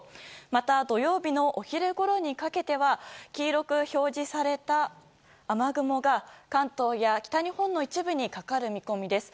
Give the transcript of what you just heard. また、土曜日のお昼ごろにかけては黄色く表示された雨雲が、関東や北日本の一部にかかる見込みです。